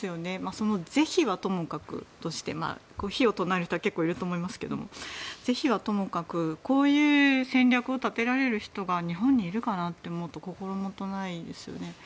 その是非はともかくとして非を唱える人は結構いると思いますけど是非はともかくこういう戦略を立てられる人が日本にいるかなと思うと心もとないですよね。